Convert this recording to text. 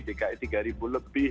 dki tiga ribu lebih